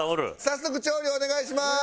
早速調理お願いします。